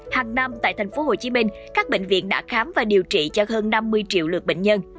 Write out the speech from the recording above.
hàng năm tại thành phố hồ chí minh các bệnh viện đã khám và điều trị cho hơn năm mươi triệu lượt bệnh nhân